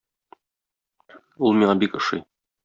Ул миңа бик ошый.